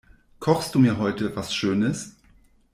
Kochst du mir heute was schönes?